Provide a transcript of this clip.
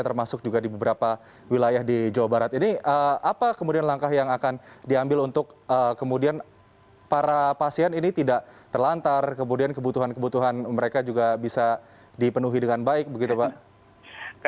termasuk juga di beberapa wilayah di jawa barat ini apa kemudian langkah yang akan diambil untuk kemudian para pasien ini tidak terlantar kemudian kebutuhan kebutuhan mereka juga bisa dipenuhi dengan baik begitu pak